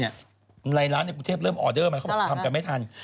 ในร้านกรุงเทพฯเริ่มออเดอร์มาทำกันไม่ทัน